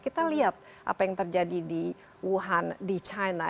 kita lihat apa yang terjadi di wuhan di china